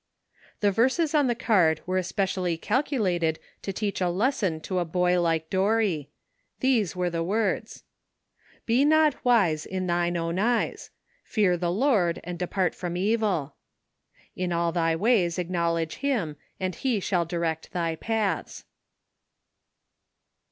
The verses on the card were especially calculated to teach a lesson to a boy like Dorry. These were the words : "Be not wise in thine own eyes. Fear the Lord and depart from evil." " In all thy ways acknowledge him, and he shall direct thy patha."